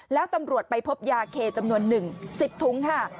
แล้วตำรวจไปพบยาเคจำนวน๑๐ถุงค่ะ